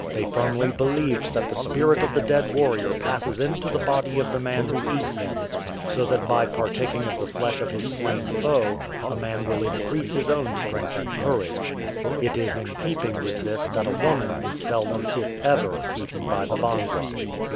They firmly believed that the spirit of the dead warrior passes into the body of the man who eats him, so that by partaking of the flesh of his slain foe a man will increase his own strength and courage. It is in keeping with this that a woman is seldom, if ever, eaten by the Bangwa.